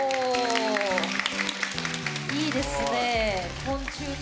いいですねえ。